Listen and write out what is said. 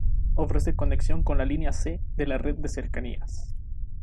Ofrece conexión con la línea C de la red de cercanías.